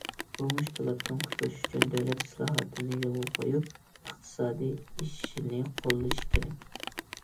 بۇ مۈشكۈلاتتىن قۇتۇلۇش ئۈچۈن، دۆلەت ئىسلاھاتنى يولغا قويۇپ ئىقتىسادىي ئېشىشنى قوللىشى كېرەك.